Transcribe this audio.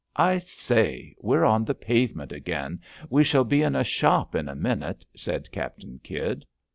I say, we're on the pavement again; we shall be in a shop in a minute," said Captain Kydd.